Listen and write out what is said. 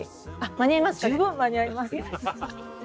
間に合います。